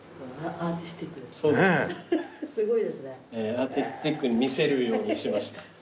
アーティスティックに見せるようにしました。